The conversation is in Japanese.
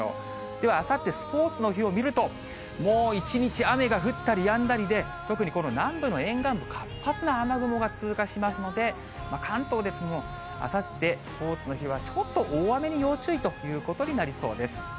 ではあさってスポーツの日を見ると、もう一日雨が降ったりやんだりで、特にこの南部の沿岸部、活発な雨雲が通過しますので、関東であさってのスポーツの日はちょっと大雨に要注意ということになりそうです。